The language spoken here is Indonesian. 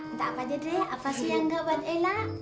ntar apa aja deh apa sih yang enggak buat ela